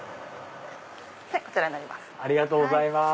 こちらになります。